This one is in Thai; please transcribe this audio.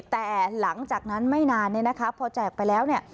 แต่หลังจากนั้นไม่นานพอแจกไปแล้ว